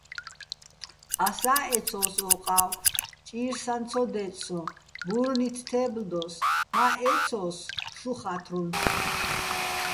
ასა́ ეცო́ს ო ყა́ვ, ჭირსაჼ ცო დე́წ სოჼ, ბურნით თე́ბლდოს, მა́ ეცო́ს, შუ ხა́თრუნ.